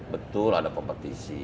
betul ada kompetisi